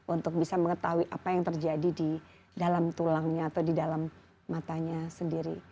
untuk bisa mengetahui apa yang terjadi di dalam tulangnya atau di dalam matanya sendiri